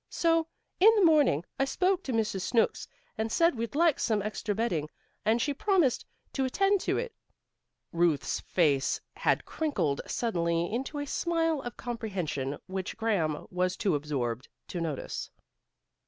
So, in the morning, I spoke to Mrs. Snooks, and said we'd like some extra bedding, and she promised to attend to it." Ruth's face had crinkled suddenly into a smile of comprehension, which Graham was too absorbed to notice.